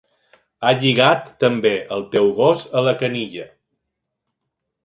Ha lligat també el teu gos a la canilla.